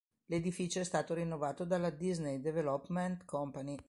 L'edificio è stato rinnovato dalla Disney Development Company.